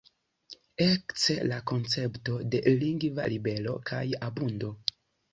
Ekce la koncepto de lingva libero kaj abundo.